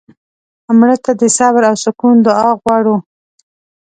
مړه ته د صبر او سکون دعا غواړو